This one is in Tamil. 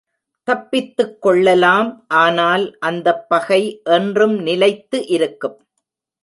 தப்பித்துக்கொள்ளலாம் ஆனால் அந்தப் பகை என்றும் நிலைத்து இருக்கும்.